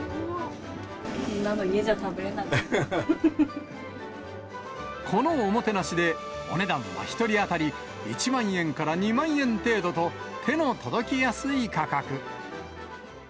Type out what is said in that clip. こんなの家じゃ食べれないもこのおもてなしで、お値段は１人当たり１万円から２万円程度と、手の届きやすい価格。